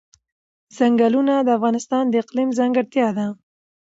چنګلونه د افغانستان د اقلیم ځانګړتیا ده.